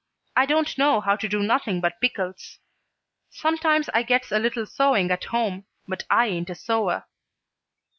I don't know how to do nothing but pickles. Sometimes I gets a little sewing at home, but I ain't a sewer.